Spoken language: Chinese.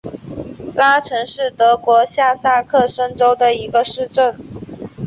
拉岑是德国下萨克森州的一个市镇。